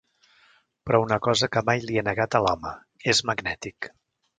Però una cosa que mai li he negat a l'home: és magnètic.